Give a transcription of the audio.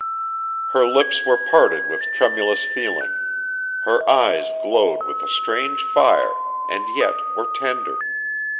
Her lips were parted with tremulous feeling; her eyes glowed with a strange fire, and yet were tender.